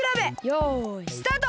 よいスタート！